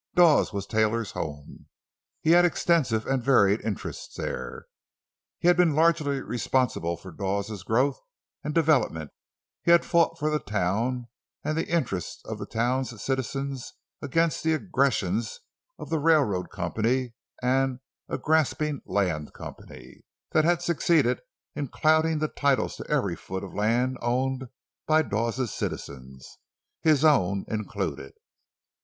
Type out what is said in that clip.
Dawes was Taylor's home; he had extensive and varied interests there; he had been largely responsible for Dawes's growth and development; he had fought for the town and the interests of the town's citizens against the aggressions of the railroad company and a grasping land company that had succeeded in clouding the titles to every foot of land owned by Dawes's citizens—his own included.